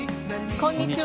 こんにちは。